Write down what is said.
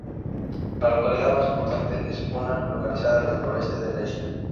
La localidad más importante es Puná, localizada en el noreste de la isla.